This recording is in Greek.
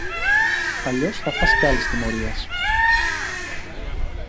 Αλλιώς θα φας και άλλες τιμωρίες!